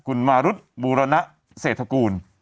คุณมารุษบูรณเศรษฐกูล